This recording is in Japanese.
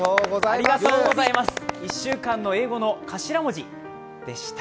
１週間の英語の頭文字でした。